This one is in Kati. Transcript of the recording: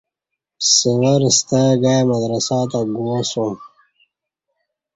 سورہ ستاگای مدرسہ تہ گوا سوم